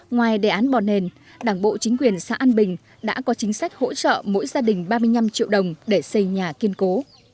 ngoài đề án bò nền đảng bộ chính quyền xã an bình đã có chính sách hỗ trợ mỗi gia đình ba mươi năm triệu đồng để xây nhà kiên cố